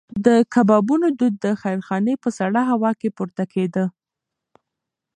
د کبابونو دود د خیرخانې په سړه هوا کې پورته کېده.